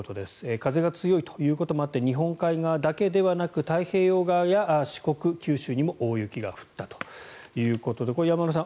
風が強いということもあって日本海側だけでなく太平洋側や四国、九州にも大雪が降ったということでこれ、山村さん